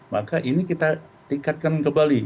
maka ini kita tingkatkan kembali